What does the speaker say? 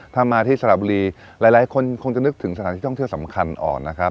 ถ้ามาที่สระบุรีหลายคนคงจะนึกถึงสถานที่ท่องเที่ยวสำคัญออกนะครับ